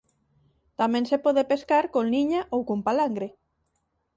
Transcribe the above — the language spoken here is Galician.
Tamén se pode pescar con liña ou con palangre.